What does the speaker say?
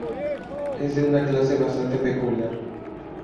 Es de una clase bastante peculiar..."".